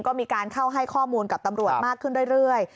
ก็มีการเข้าให้ข้อมูลกับตำรวจมากขึ้นเรื่อย